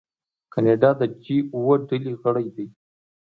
کاناډا د جي اوه ډلې غړی دی.